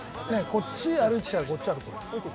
こっち歩いて来たからこっち歩く？